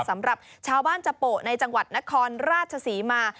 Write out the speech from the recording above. สำหรับชาวบ้านจโปะในจังหวัดนครราชศรีมา